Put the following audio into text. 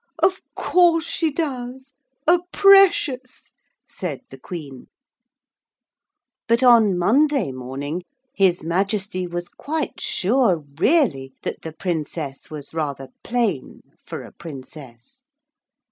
'Of course she does, a precious,' said the Queen. But on Monday morning His Majesty was quite sure really that the Princess was rather plain, for a Princess.